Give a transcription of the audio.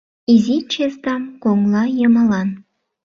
Изи чесдам коҥлайымалан